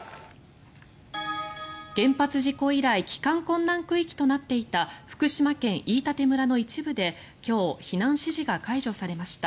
原発事故以来、帰還困難区域となっていた福島県飯舘村の一部で今日、避難指示が解除されました。